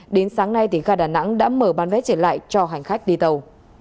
đến sáng nay tỉnh gà đà nẵng đã mở bán vé trở lại cho hành khách đi tàu